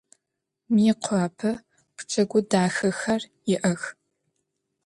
Mıêkhuape pçegu daxexer yi'ex.